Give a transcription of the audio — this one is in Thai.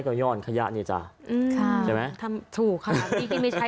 มีกินไม่ใช่